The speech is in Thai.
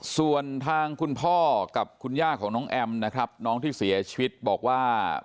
ส่วนทางคุณพ่อกับคุณย่าของน้องแอมนะครับน้องที่เสียชีวิตบอกว่า